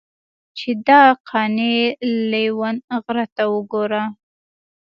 چې دا قانع لېونغرته وګوره.